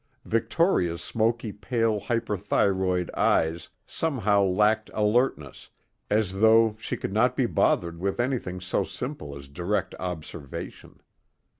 Victoria's smoky pale hyperthyroid eyes somehow lacked alertness, as though she could not be bothered with anything so simple as direct observation.